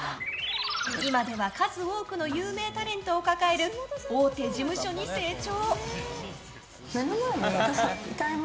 今では数多くの有名タレントを抱える大手事務所に成長。